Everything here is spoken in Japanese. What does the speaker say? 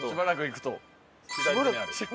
左にある？